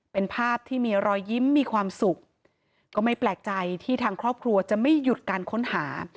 เป็นภาพที่มีรอยยิ้มมีความสุขก็ไม่แปลกใจที่ทางครอบครัวจะไม่หยุดการค้นหา